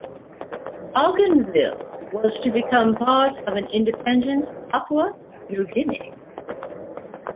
Bougainville was to become part of an independent Papua New Guinea.